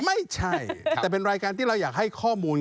ไม่ใช่แต่เป็นรายการที่เราอยากให้ข้อมูล